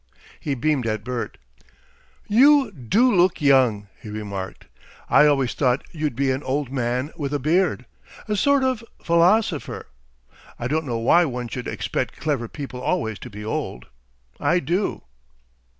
He beamed at Bert. "You DO look young," he remarked. "I always thought you'd be an old man with a beard a sort of philosopher. I don't know why one should expect clever people always to be old. I do."